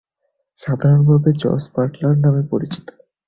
সাধারণভাবে Jos Buttler নামে পরিচিত।